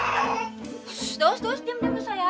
daos daos diam diam tuh sayang